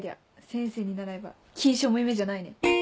先生に習えば金賞も夢じゃないね。